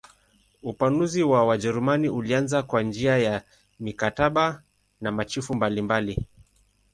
Upanuzi wa Wajerumani ulianza kwa njia ya mikataba na machifu mbalimbali.